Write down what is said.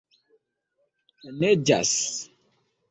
Neĝas.